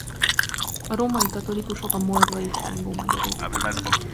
A római katolikusok a moldvai csángó magyarok.